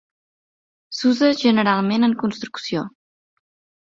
S'usa generalment en construcció.